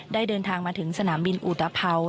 เดินทางมาถึงสนามบินอุตภัว